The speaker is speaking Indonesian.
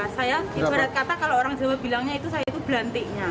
saya ibarat kata kalau orang jawa bilangnya itu saya itu berlantiknya